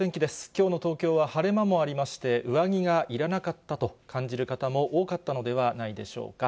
きょうの東京は晴れ間もありまして、上着がいらなかったと感じる方も多かったのではないでしょうか。